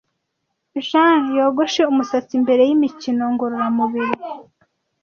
Jane yogoshe umusatsi mbere yimikino ngororamubiri.